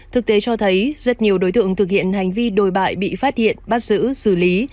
thực tế cho thấy rất nhiều đối tượng thực hiện hành vi đồi bại bị phát hiện bắt giữ xử lý